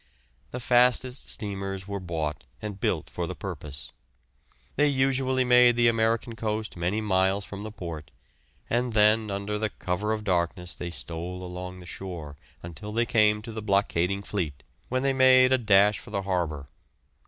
The fastest steamers were bought and built for the purpose. They usually made the American coast many miles from the port and then under the cover of darkness they stole along the shore until they came to the blockading fleet, when they made a dash for the harbour.